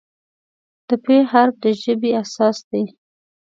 د "پ" حرف د ژبې اساس دی.